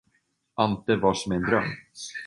Ante var som i en dröm.